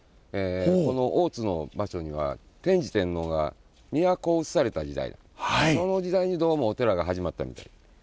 この大津の場所には天智天皇が都を移された時代その時代にどうもお寺が始まったみたい。